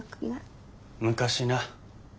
昔な。